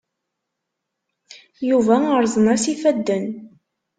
Yuba rrẓen-as yifadden.